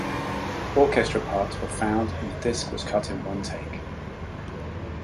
Orchestra parts were found and the disc was cut in one take.